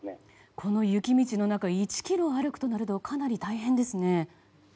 この雪道の中１ｋｍ歩くとなるとかなり大変ですね。